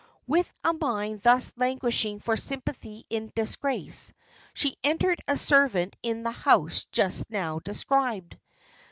With a mind thus languishing for sympathy in disgrace, she entered a servant in the house just now described.